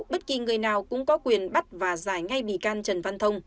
bất kỳ người nào cũng có quyền bắt và giải ngay bị can trần văn thông